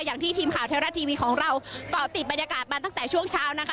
อย่างที่ทีมข่าวเทวรัฐทีวีของเราเกาะติดบรรยากาศมาตั้งแต่ช่วงเช้านะคะ